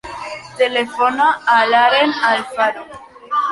Telefona a l'Aren Alfaro.